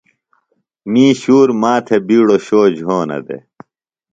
می شُور ما تھےۡ بِیڈوۡ شو جھونہ دےۡ